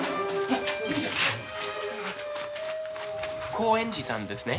興園寺さんですね？